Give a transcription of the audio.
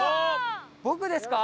僕ですか？